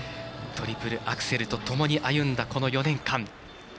トリプルアクセルとともに歩んだ４年間。